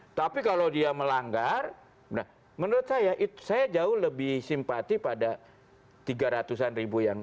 mu tapi kalau dia melanggar nah menurut saya itu saya jauh lebih simpati pada tiga ratusan ribu yang